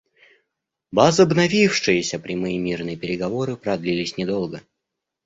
Возобновившиеся прямые мирные переговоры продлились недолго.